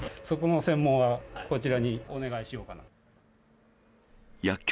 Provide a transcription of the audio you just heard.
そこの専門はこちらにお願いしようかなと。